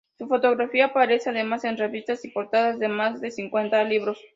Su fotografía aparece, además, en revistas y portadas de más de cincuenta libros.